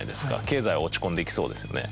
経済落ち込んでいきそうですよね。